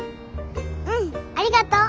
うんありがとう。